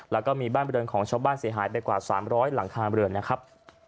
แล้วก็มีบ้านบริเวณของชาวบ้านเสียหายไปกว่า๓๐๐หลังคาเรือนนะครับ